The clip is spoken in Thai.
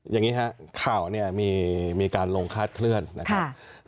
อย่างนี้ครับข่าวเนี่ยมีการลงคาดเคลื่อนนะครับ